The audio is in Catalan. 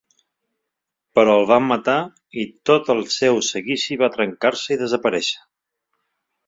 Però el van matar i tot el seu seguici va trencar-se i desaparèixer.